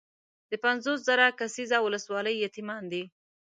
د پنځوس زره کسیزه ولسوالۍ یتیمان دي.